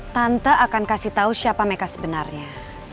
tante akan kasih tahu siapa mereka sebenarnya